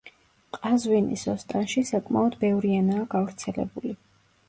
ყაზვინის ოსტანში საკმაოდ ბევრი ენაა გავრცელებული.